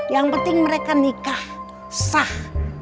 yang penting mereka nikah sah